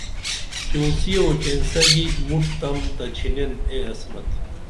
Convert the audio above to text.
چوسی او چینسہ گی مُٹ تم تہ چِھنین اے عصمت